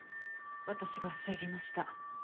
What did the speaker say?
私が防ぎました。